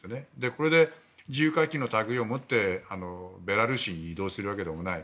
これで自由回帰の類を持ってベラルーシに移動するわけでもない。